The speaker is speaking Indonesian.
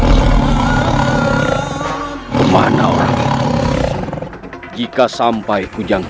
terima kasih atas dukungan anda